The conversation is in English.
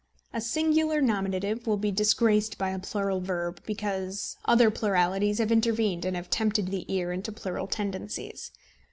A singular nominative will be disgraced by a plural verb, because other pluralities have intervened and have tempted the ear into plural tendencies.